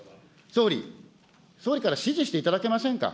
総理、総理から指示していただけませんか。